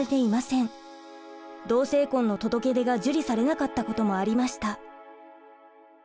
同性婚の届け出が受理されなかったこともありました。